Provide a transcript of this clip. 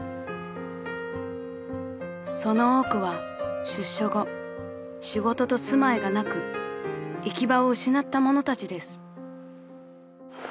［その多くは出所後仕事と住まいがなく行き場を失った者たちです］